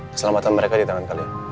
keselamatan mereka di tangan kalian